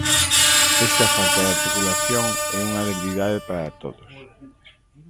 Esta falta de articulación é unha debilidade para todos.